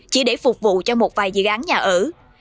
chỉ để phục vụ cho một vài dự án nhà ở